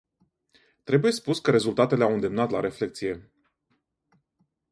Trebuie spus că rezultatele au îndemnat la reflecție.